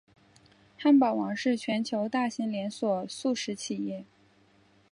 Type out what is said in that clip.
汉堡王是全球大型连锁速食企业。